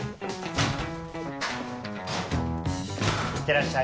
いってらっしゃい。